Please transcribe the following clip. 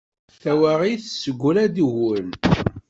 Tawaɣit tessegra-d uguren.